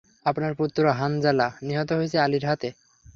আপনার পুত্র হানজালা নিহত হয়েছে আলীর হাতে।